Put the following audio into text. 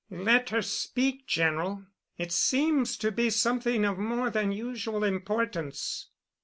"Let her speak, General. It seems to be something of more than usual importance."